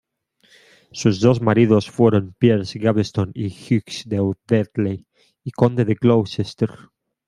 Sus dos maridos fueron Piers Gaveston y Hugh de Audley, I conde de Gloucester.